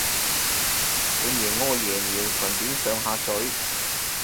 半夜屙夜尿順便上下水